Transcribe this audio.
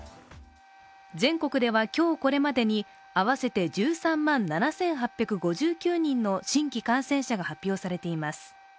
全国では今日これまでに合わせて１３万７８５９人の新規感染者が発表されています。